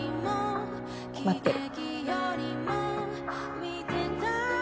待ってる。